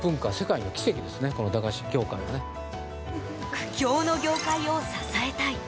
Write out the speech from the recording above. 苦境の業界を支えたい。